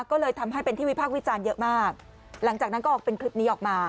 ก็เลยทำให้เป็นที่วิพากษ์วิจารณ์เยอะมากหลังจากนั้นก็ออกเป็นคลิปนี้ออกมา